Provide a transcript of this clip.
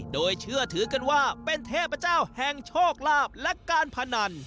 โดยเชื่อถือกันว่าเป็นเทพเจ้าแห่งโชคลาภและการพนัน